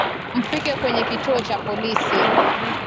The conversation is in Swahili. Mfike kwenye kituo cha polisi